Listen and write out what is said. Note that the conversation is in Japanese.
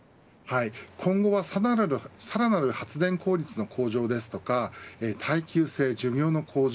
今後はさらなる発電効率の向上ですとか耐久性、寿命の向上